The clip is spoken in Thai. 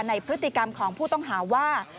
ในพฤติกรรมของผู้ต้องหาว่า